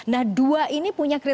nah dua ini punya kriteri